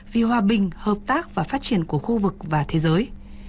vì hòa bình hợp tác và phát triển của khu vực và thế giới